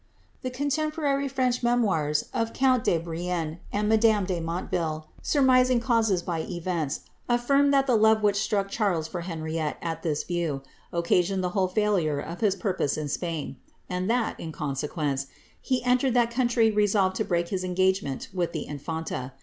' The contemporary French memoirs of count de Brienne and madame de Motteville, surmising causes by events, affirm that the love which struck Charles for Henriette at this view, occasioned the whole ^ure of his purpose in Spain ; and that, in consequence, he entered that coun try resolved to break his engagement with the in&nta.